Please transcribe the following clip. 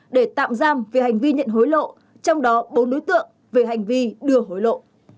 để tạm giam về hành vi nhận hối lộ trong đó bốn đối tượng về hành vi đưa hối lộ